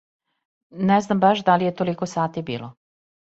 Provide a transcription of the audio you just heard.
Не знам баш да ли је толико сати било